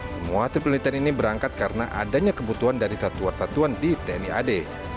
semua hasil penelitian ini berangkat karena adanya kebutuhan dari satuan satuan di tni ad